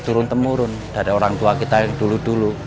turun temurun dari orang tua kita yang dulu dulu